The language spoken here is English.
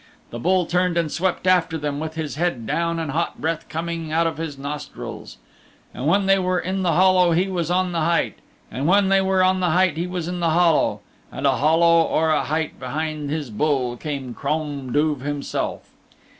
The Bull turned and swept after them with his head down and hot breath coming out of his nostrils. And when they were in the hollow he was on the height, and when they were on the height he was in the hollow. And a hollow or a height behind his Bull came Crom Duv himself.